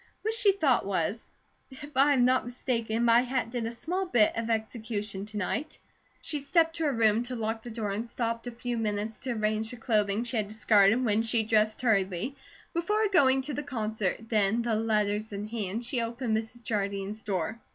What she thought was: "If I am not mistaken, my hat did a small bit of execution to night." She stepped to her room to lock the door and stopped a few minutes to arrange the clothing she had discarded when she dressed hurriedly before going to the concert, then, the letters in her hand, she opened Mrs. Jardine's door.